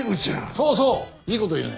そうそういい事言うね。